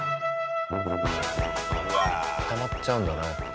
固まっちゃうんだね。